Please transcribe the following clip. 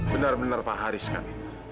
benar benar pak haris kan